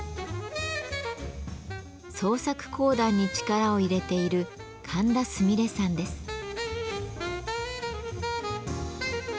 創作講談に力を入れている神田すみれさんです。